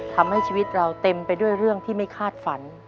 ทำให้ชีวิตเราเต็มไปด้วยเรื่องที่ไม่คาดฝัน